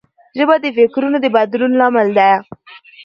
ژبه د فکرونو د بدلون لامل ده